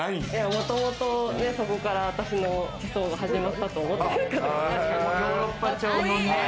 もともとそこから私の思想が始まったと思っている。